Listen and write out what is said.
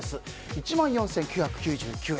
１万４９９９円。